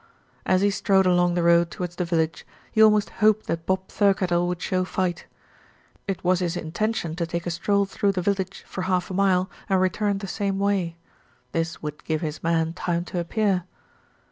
As he strode along the road towards the village, he almost hoped that Bob Thirkettle would show fight. It was his intention to take a stroll through the village for half a mile, and return the same way. This would give his man time to appear.